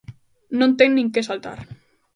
Non ten nin que saltar.